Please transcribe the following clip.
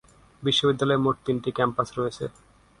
বিশ্ববিদ্যালয়ের মোট তিনটি ক্যাম্পাস রয়েছে।